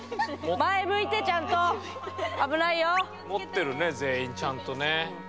持ってるね全員ちゃんとね。